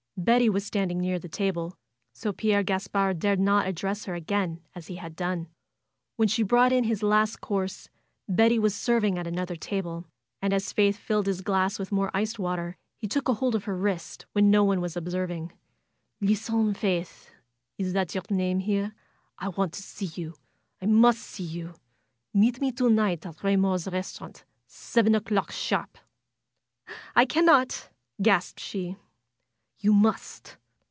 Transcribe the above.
Betty was standing near the table; so Pierre Gaspard dared not address her again as he had done. When she brought in his last course, Betty was serving at another table. And as Faith filled his glass with more iced water he took hold of her wrist, when no one was observing. ^Tisten, Faith! — Is that your name here? — I want to see you. I must see you. Meet me to night at Kay mor's restaurant, seven o'clock sharp 1" cannot!" gasped she. "You must